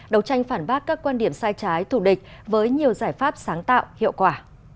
đấu tranh phản bác các quan điểm sai trái thủ địch với nhiều giải pháp sáng tạo hiệu quả